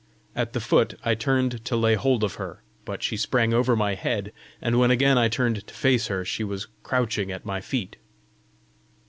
At the foot I turned to lay hold of her, but she sprang over my head; and when again I turned to face her, she was crouching at my feet!